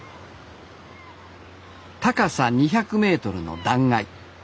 高さ２００メートルの断崖。